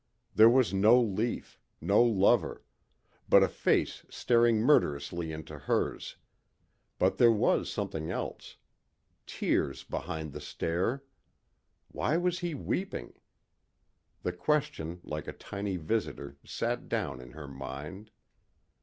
There was no Lief, no lover. But a face staring murderously into hers. But there was something else. Tears behind the stare. Why was he weeping? The question like a tiny visitor sat down in her mind.